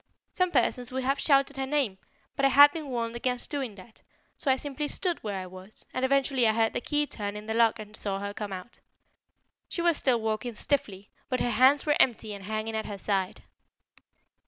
Some persons would have shouted her name, but I had been warned against doing that, so I simply stood where I was, and eventually I heard the key turn in the lock and saw her come out. She was still walking stiffly, but her hands were empty and hanging at her side."